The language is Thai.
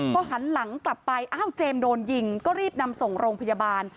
พอหันหลังกลับไปอ้าวเจมส์โดนยิงก็รีบนำส่งโรงพยาบาล